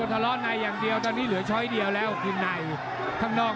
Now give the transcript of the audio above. ว่ายังไงแข่งซ้ายเตะเขาขวาแทง